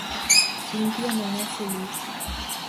Cintia non é feliz.